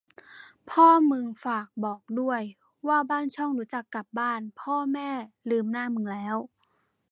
พ่อมึงฝากบอกด้วย ว่าบ้านช่องรู้จักกลับบ้าง พ่อแม่ลืมหน้ามึงแล้ว